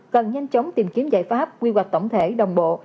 cần nhanh chóng tìm kiếm giải pháp quy hoạch tổng thể đồng bộ